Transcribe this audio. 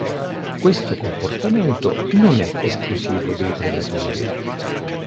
Questo comportamento non è esclusivo dei predatori.